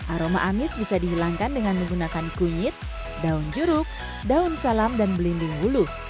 aroma amis bisa dihilangkan dengan menggunakan kunyit daun jeruk daun salam dan belimbing bulu